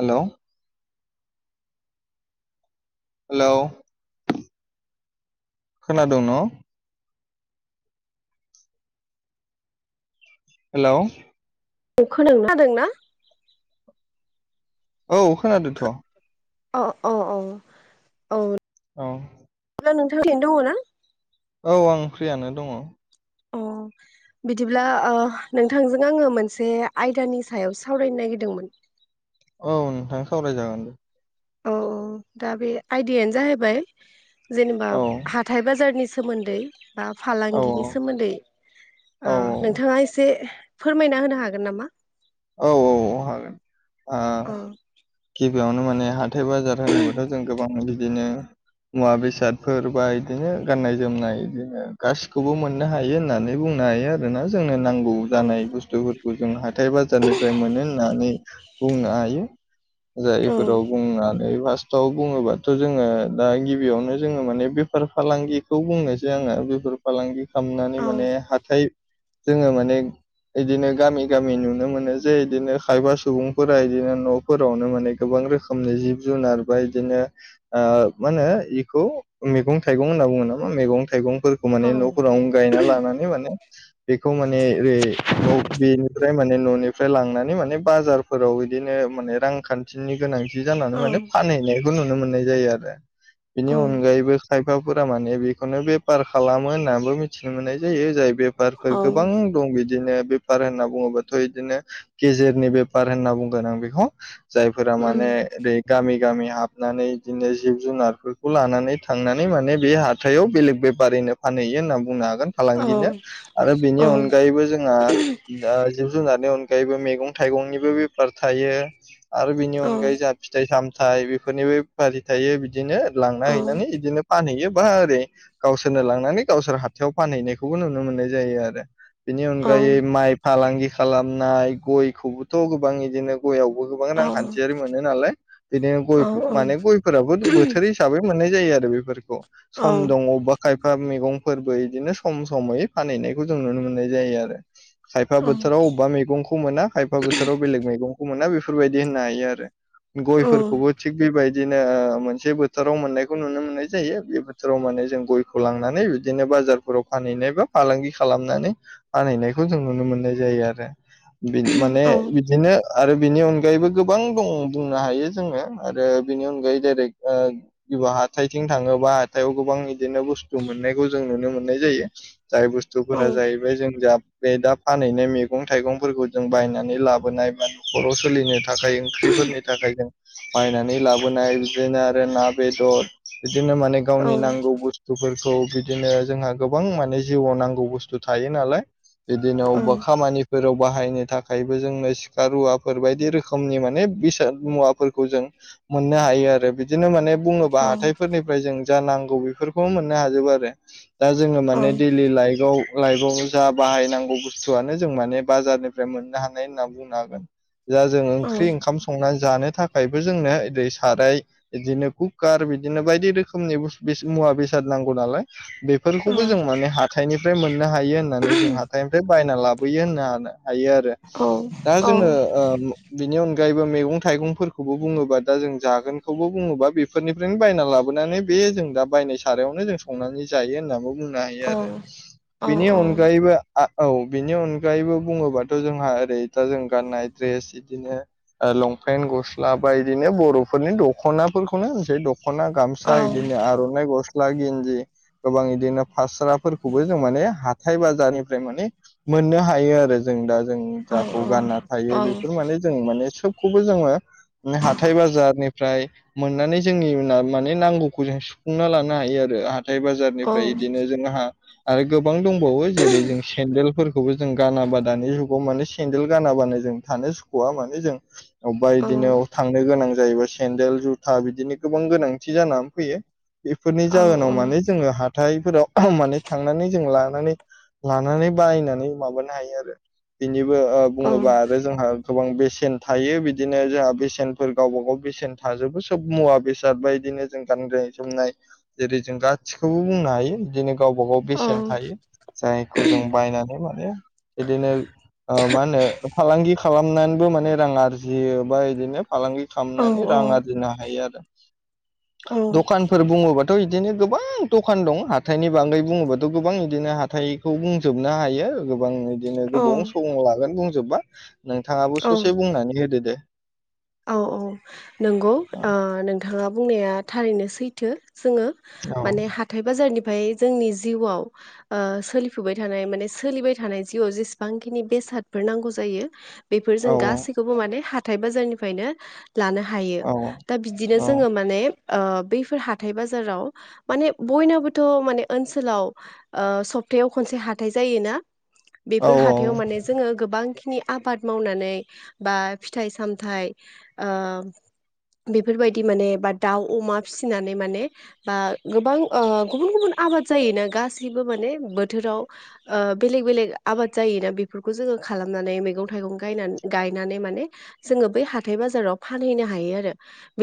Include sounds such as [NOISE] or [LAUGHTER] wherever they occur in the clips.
Hello hello खोनादोंं न' hello नों खो [UNINTELLIGIBLE] दोंना औ खोनादोंथ' अ अ अ औ औ दा नोंथां ओरैनो दङ ना? औ आं फ्रियानो दङ अ बिदिब्ला ओ नोंथांजों आङो मोनसे आयदानि सायाव सावरायनो नागिरदोंमोन औ नोंथां सावरायजागोन दे औ औ दा बे आयदायानो जाहैबाय जेनेबा औ हाथाय बाजारनि सोमोन्दै बा औ फालांगिनि सोमोन्दै औ ओ नोंथाङा एसे फोरमायना होनो हागोन नामा औ औ औ हागोन ओ औ गिबियावनो माने हाथाय बाजार होनोब्लाथ' जों गोबां बिदिनो मुवा बेसादफोर बा इदिनो गाननाय जोमनाय बिदिनो गासिखौबो मोननो हायो होननानै बुं नो हायो आरोना जोंनो नांगौ गौ औ जानाय बुस्थुफोरखौ जों हाथाय बाजारनिफ्राय मोनो होननानै बुंनो हायो औ जायफोराव बुंनानै फारस्टआव बुङोबाथ' जोङो दा गिबियावनो जोङो माने बेफार फालांगिखौ बुनोसै आङो बेफार फालांगि खामनानै माने हाथाय जोङो माने इदिनो गामि गामि नुनो मोनो जे इदिनो खायबा सुबुंफोरा इदिनो न'फोरावनो माने गोबां रोखोमनि जिब जुनार बा इदिनो नो ओ मा होनो इखौ मैगं थाइगं होनना बुङो नामा मैगं थाइगं फोरखौ औ माने न'फोरावनो गायना लानानै माने बेखौ माने ओरै न' बेनिफ्राय माने न'नि फ्राय लांनानै माने बाजारफोराव इदिनो माने रांखान्थिनि गोनांथि थि जानानै औ माने फानहैनायखौ नुनो मोननाय जायो आरो बिनि औ अनगायैबो खायफाफोरा माने बेखौनो बेफार खालामो होननाबो मिथिनो मोननाय जायो जाय बेफारफोर औ गोबां दं बिदिनो बेफार होनना बुङोबाथ' इदिनो गेजेरनि बेफार होनना बुंगोन आं बेखौ जायफोरा उम माने ओरै गामि गामि हाबनानै इदिनो जिब जुनारफोरखौ लानानै थांनानै माने बे हाथायाव बेलेग बेफारिनो फानहैयो होनना बुंनो हागोन औ फालांगिनो औ आरो बेनि औ अनगायैबो जोंहा ओ जिब जुनारनि अन गायैबो मैगं थाइगंनिबो बेफार थायो आरो बिनि अनगायै जोंहा फिथाइ साम थाय बेफोरनि बे फारि थायो बिदिनो लांना हैनानै औ इदिनो फानहैयो बा ओरै गावसोरनो लांनानै गावसोर हाथायाव फानहैनायखौबो नुनो मोननाय जायो आरो। बेनि औ अनगायै माइ फालांगि खालामनाय गयखौबोथ' गोबां इदिनो गयावबो गोबां औ रांखान्थियारि मोनो नालाय बिदिनो औ गय माने गयफोराबो बोथोर हिसाबै मोनो नाय जायो आरो बेफोरखौ सम दङ बा खायफ हा मैगंफोरबो बिदिनो सम समै फानहैनायखौ जों नुनो मोननाय जायो आरो। खायफा बोथोराव अबेबा मैगंखौ मोना खायफा बोथोराव बेलेग मैगंखौ मोना बे फोरबायदि होननो हायो आरो गयफोरखौबो थिग बेबाय बिदिनो मोनसे बोथोराव मोननाय नुनो मोननाय जायो बे बोथोराव माने जों गयखौ लांनानै बिदिनो बाजारफोराव फानहैनाय बा फालांगि खालामनानै फानहैनायखौ जों नुनो मोननाय जायो आरो। बि माने बिदिनो आरो बिनि अन अनगायैबो गोबां दं बुंनो हायो जोङो आरो बिनि अनगायै डाइरेक्ट ओ गो हाथिं थाङोबा हाथायाव गोबां बिदिनो बुस्थु मोननायखौ जों नुनो मोननाय जायो। जाय बुस्थुफोरा जाहैबाय जों दा बे दा फानहैनाय मैगं थाइगंफोरखौ जों बायनानै लाबोनाय बा न'खराव सोलिनो थाखाय ओंख्रिफोरनि थाखाय जों बायनानै लाबोनाय बिदिनो आरो ना बेदर बिदिनो माने औ गावनि नांगौ बुस्थुफोरखौ बिदिनो जोंहा गोबां माने जिउआव नांगौ बुस्थु थायो नालाय बिदिनो अबेबा खामानि फोराव बाहायनो थाखायबो जोंनो सिखा रुवाफोर बायदि रोखोमनि माने बेसाद मुवाफोरखौ जों माननो हायो आरो बिदि बिदिनो माने बुङोबा हाथायफोरनिफ्राय जों जा नांगौ बेफोरखौ मोननो हाजोबो आरो। दा जोङो माने दैलि लाइकआव लाइफआव जा बाहायनांगौ बुस्थुआनो जों माने बाजारनिफ्राय मोननो हानाय होनना बुंनो हागोन दा जों ओंख्रि ओंखाम संनानै जानो थाखायबो जोंनो ओरै साराय बिदिनो कुकार बिदिनो बायदि रोखोम रोखोमनि बे मुवा बेसाद नांगौ नालाय बेफोरखौबो जों माने हााथाइनिफ्राय मोन हायो होननानै जों हाथायनिफ्राय बायना लाबोयो होनना हा हायो आरो दा जोङो ओ बिनि अनग गायबो मैगं थाइगंफोरखौबो बुङोबा दा जों जागोनखौबो बुङोबा बेफोरनिफ्रायनो बायना लाबोनानै बे बे जों दा बायनाय सारायावनो जों संनानै जायो होनना बुं बुंनो हायो आरो बिनि अनगायैबो आ औ बिनि अनगायैबो बुङोबाथ' जोंहा ओरै दा जों गाननाय द्रेस बिदिनो लंपेन गस्ला बा बिदिनो बर'फोरनि दख'नाफोरखौनो होनसै दख'ना गामसा बिदिनो आर'नाइ गस्ला गस्ला गिन्ज गोबां बिदिनो फास्राफोरखौबो जों माने हाथाय बाजारनिफ्राय माने मोननो हायो आरो जों दा जों जाखौ गानना थायो बेफोर माने जों माने सोब खौबो जोङो हाथाय बाजारनिफ्राय मोननानै जोंनि माने नांगौखौ जों सुफुंना लानो हायो आरो। हाथाइ औ बाजारनिफ्राय इदिनो जोंहा ओ गोब गोबां दंबावो जेरै जों सेन्देलफोरखौबो जों गाना बा ग माने सेन्देल गानाबानो जों थानो सुखुवा माने जों अबबा बिदिनो थांनो गोनां जाहैबा सेन्देल जुथा बिदिनो गोबां गोनांथि जानानै फैयो। बेफोरनि जाहोनाव माने जोङो हाथायफोराव माने थांनानै जों ला लानानै बायनानै माबानो हायो आरो। निबो बुङोबा आरो जोंहा गोबां बेसेन थायो बिदिनो जोंहा बेसेनफोर गावबा गाव बेसेन थाजोबो सोब मुवा बेसाद बायदि बिदिनो जों गाननाय जोमनाय जेरै जों गासिखौबो बुंनो हायो बिदिनो गावबा गाव बेसेन थायो जायखौ जों बायनानै माने बिदिनो मा होनो फालांगि खालामनानैबो माने रां आरजियो बा बिदिनो फालांगि खालामनानै रां आरजिनो हायो आरो दखानफोर बुङोबाथ' इदिनो गोबां दखान दं। हाथाइनि बागै बुङोबाथ' गोबां बिदिनो हाथाइखौ बुंजोबनो हायो गोबां बिदिनो गोबौ समाव लागोन बुंजोबबा। नोंथाङाबो औ ससे बुंनानै होदो दे। औ औ नंगौ। औ ओ नोंथाङा बुंनाया थारैनो सैथो। जोङो माने हाथाय बाजारनि फाय जोंनि जिउआव ओ सोलिफुबाय थानाय माने सोलिबाय थानाय जिआव जेसेबांखिनि बे बेसादफोर नांगौ जायो। बेफोर औ जों गासैखौबो माने हाथाइ बाजारनिफ्रायनो लानो हायो। औ दा बिदिनो औ जोङो माने ओ बैफोर हाथाइ बाजाराव माने बयनाबोथ' माने ओनसोलाव ओ सप तायाव खनसे हाथाय जायोना। औ बेफोर हाथायाव माने जोङो गोबां खिनि नि आबाद मावनानै बा फिथाइ सामथाइ ओ बेफोरबायदि माने बा दाउ अमा फिसिनानै माने बा गोबां ओ गुबुन गुबुन आबाद जायोना गासैबो माने बोथोराव ओ बेलेग बेलेग आबाद जायोना बेफोरखौ जोङो खालामनानै मैगं थाइगं गायनान गायनानै माने जोङो बै हा हाथाय बाजाराव फानहैनो हायो आरो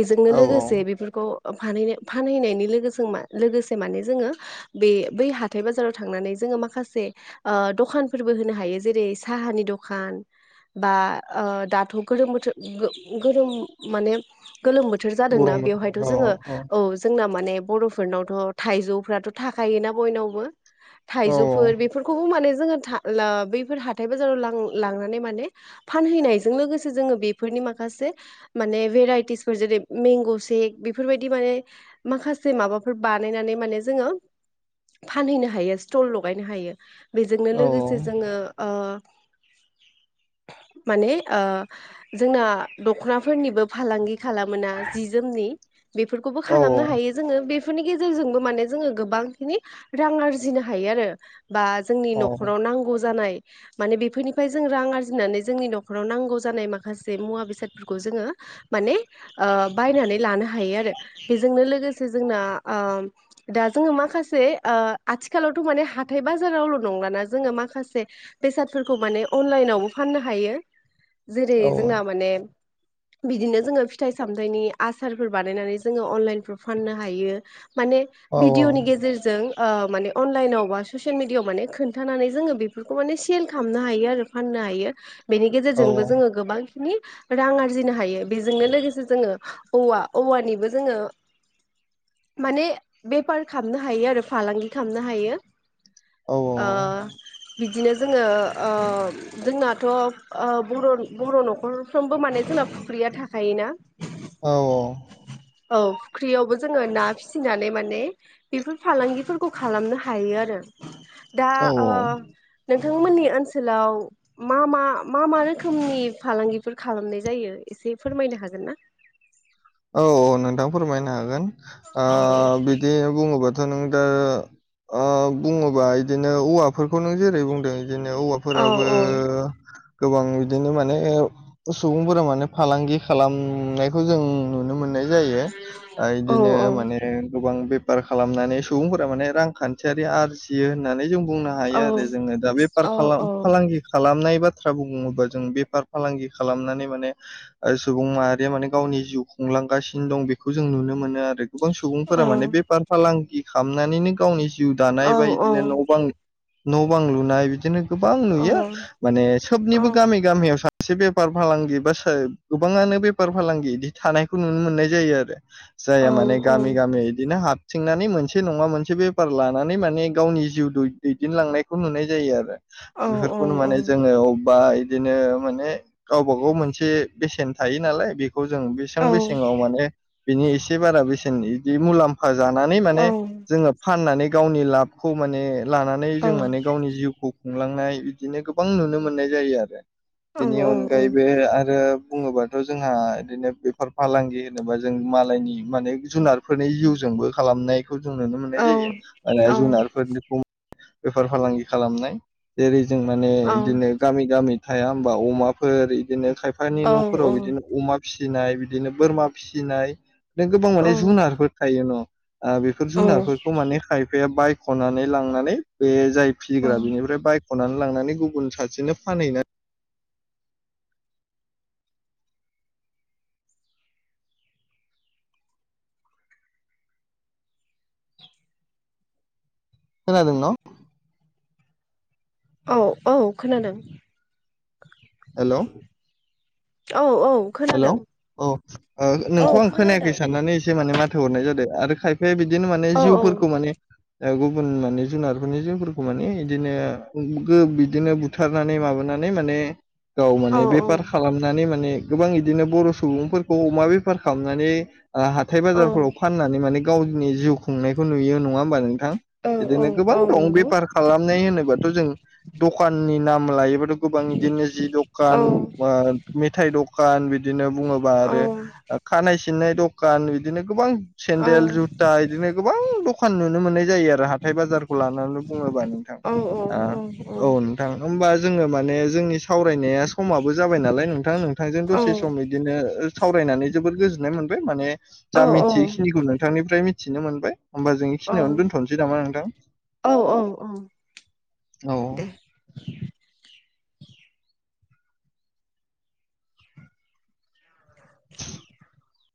बेजोंनो औ लोगोसे बेफोरखौ फानहैनो फानहैनायनि लोगोजों मा लोगोसे माने जोङो बे बै हाथाय बाजाराव थांनानै जों जोङो माखासे ओ दखानफोरबो होनो हायो जेरै साहानि दखान। बा ओ दाथ' गोलोम बोथो गो-गोरोम माने गोलोम बोथोर जादोंना बर' बेवहायथ' औ जोङो औ जोंना माने बर'फोरनावथ' थाइजौफ्राथ' थाखायोना बयनावबो। औ थाइजौफोर बेफोरखौबो माने जोङो था ला बैफोर हाथाय बाजाराव लां-लांनानै माने फानहैनायजों लोगोसे जोंङो बेफो फोरनि माखासे माने भेराइटिसफोर जेरै मेंग' सेक बेफोरबायदि माने माखा से माबाफोर बानायनानै माने जोङो फानहैनो हायो स्टल लगायनो हायो। बेजोंनो लोगोसे जोङो ओ माने ओ जोंना दख'नाफोरनिबो फालांगि खालामोना जि जोमनि। बेफोरखौबो औ खालामनो हायो जोङो। बे फोरनि गेजेरजोंबो माने जोङो गोबांखिनि रां आरजिनो हायो आरो। बा जोंनि औ न'खराव नांगौ जानाय माने बेफोरनिफाय जों रां आरजिनानै जोंनि न'खराव नांगौ जानाय मा खासे मुवा बेसादफोरखौ जोङो माने ओ बायनानै लानो हायो आरो बेजोंनो लो गोसे जोंना ओम दा जोङो माखासे ओ आथिखालावथ' माने हाथाय बाजारावल' नंला ना जोङो माखासे बेसाद फोरखौ माने अनलाइन आवबो फान्नो हायो। जेरै औ जोंना माने बिदिनो जोङो फिथाइ सामथाइनि आसारफोर बानायनानै जोङो अनलाइनफ्राव फाननो हायो। माने औ भिडिअ'नि गेजेरजों ओ‌ माने अनलाइनाव बा ससियेल मिडियायाव माने खोन्थानानै जोङो बेफोरखौ माने सेल खामनो हायो आरो फान नो हायो। बेनि औ गेजेरजोंबो जोङो गोबां नि रां आरजिनो हायो। बेजोंनो लोगोसे जोङो औवा, औवानिबो जोङो माने बेपार खामनो हायो आरो फालांगि खामनो हायो। औ ओ बिदिनो जोङो ओ जोंनाथ' ओ बर' बर' न' खरफ्रोमबो माने जोंना फुख्रिया थाखायोना। औ औ। औ फुख्रियावबो जोङो ना फिसिनानै माने बेफोर फालांगिफोरखौ खालामनो हायो आरो। दा औ ओ नों थांमोननि ओनसोलाव मा मा मा मा रोखोमनि फालांगिफोर खालामनाय जायो? एसे फोरमायनो हागोन ना? औ औ नोंथां फोरमायनो हागोन ओ औ बिदि बुङोबा ' नोंदो ओ बुङोबा इदिनो औवाफोरखौ नों जेरै बुंदों बिदिनो औ औवाफोराबो औ गोबां बिदिनो माने ओ सुबुंफोरा माने फालांगि खालामनायखौ जों नुनो मोननाय जायो ओ औ इदिनो माने गोबां बे फार खालामनानै सुबुंफोरा माने रांखान्थियारि आरजियो होननानै जों बुंनो हायो औ आरो जोङो दा बेफार औ खालाम फालांगि खालामनाय बाथ्रा बुङोबा जों बेफार फालांगि खालामनानै माने ओ सुबुं माहारिया माने गावनि जिउखौ खुंलांगासिनो दं बेखौ जों नुनो मोनो आरो गोबां औ सुबुंफोरा माने बेफार फालांगि खामनानैनो गावनि जिउ औ दानाय बा बिदिनो न' बां न' बां लुनाय बि दिनो गोबां औ नुयो माने सोबनिबो गामि गामियाव सा एसे बेफार फालांगि बा स गोबाङानो बेफार फालांगि बिदि थानायखौ नुनो मोननाय जायो आरो जाया माने गामि गामि इदिनो हाथ संनानै मोनसे नङा मोनसे बेफार लानानै माने गावनि जिउ दै दैदेनलांनायखौ नुनाय जायो आरो औ औ बेफोरखौनो माने औ जोङो बा बिदिनो माने गावबा गाव मोनसे बेसेन थायो नालाय बेखौ जों औ बेसेबां बेसेङाव माने बिनि एसे बारा बेसेन बिदि मुलाम्फा बा जानानै माने जोङो फाननानै गावनि लाबखौ माने लानानै जों माने गावनि जिउखौ खुंलांनाय बिदिनो गोबां नुनो मोननाय जायो आरो बेनि अनगायैबो आरो बुङोबाथ' जोंहा बिदिनो फालांगि होनोबा जों मालायनि माने जुनारफोरनि जिउजोंबो खालामनाय जों नुनो मोननाय जायो जुनारफोरनिखौ बेफार फालांगि खालामनाय जेरै जों माने बिदिनो गामि गामि थाया होमबा अमाफोर बिदिनो खायफानि न'फोराव बिदिनो अमा फिसिनाय बिदिनो बोरमा फिसिनाय गोबां माने जुनारफोर थायो न' बेफोर जुनारफोरखौ माने खायफाया बायख'नानै लांनानै बे जायो। फिसिग्रा बिनिफ्राय बाइक खनानै लांनानै गुबुन सासेनो फानहैनो? खोनादोंन'? औ औ खोनादों। हेलौ औ औ हेल' खोनादों। औ औ नोंखौ आं खोनायाखै खोनादों। साननानै एसे माने माथो हरनाय जादों आरो खायफ ओमफ्राय बिदिनो माने औ जिउफोरखौ माने गुबुन माने जुनारफोरनि जिउफोरखौ माने बिदिनो बिदिनो बुथारनानै माबानानै मान माने गाव औ माने बेफार खालामनानै माने गोबां बिदिनो बर' सुबुंफोरखौ अमा बेफार खालामनानै हाथाय औ बाजारफोराव फाननानै माने गावनि जिउ खुंनायखौ नुयो नङा होमबानो औ बिदिनो औ औ गोबां दं नंगौ। बेफार खालामनाय होनोबाथ' जों दखाननि नाम लायो। गोबां बिदिनो जि औ दखान मेथ दख दखान बिदिनो बुङोबा औ आरो खानाय सिननाय दखान बिदिनो गोबां औ सेन्देल जुथ दा बिदिनो गोबां दखान नुनो मोननाय जायो आरो हाथाय बाजारखौ लानानै बुङोबा नोंथां औ औ नोंथां होमबा जोङो माने जोंनि सावरायनाया समाबो जाबाय नालाय नोंथां नों नोंजों दसे सम बिदिनो सावरायनानै जबोोर गोजोननाय मोनबाय माने जा औ मिथियैखिनिखौ नोंथांनिफ्राय मिथिनो मोनबाय हबा जों इखिनियावनो दोनथ'नोसै नामा नोंथां औ औ औ दे [INAUDIBLE]